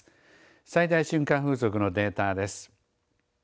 最大瞬間風速のデータです。